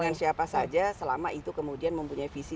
dengan siapa saja selama itu kemudian mempunyai visi